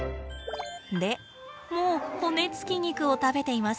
でもう骨付き肉を食べています。